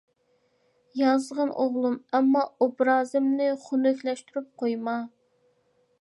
-يازغىن ئوغلۇم، ئەمما ئوبرازىمنى خۇنۈكلەشتۈرۈپ قويما.